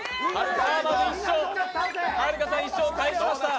さあ、まずはるかさん１勝を返しました。